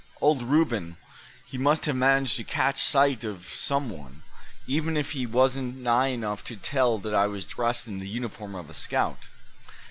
Old Reuben, he must have managed to catch sight of some one, even if he wasn't nigh enough to tell that I was dressed in the uniform of a scout.